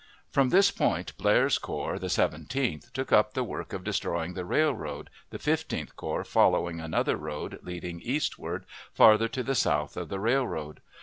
From this point Blair's corps, the Seventeenth, took up the work of destroying the railroad, the Fifteenth Corps following another road leading eastward, farther to the south of the railroad.